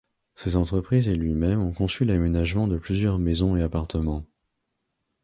Ses entreprises et lui-même ont conçu l'aménagement de plusieurs maisons et appartements.